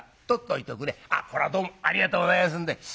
「あっこらどうもありがとうございますんで。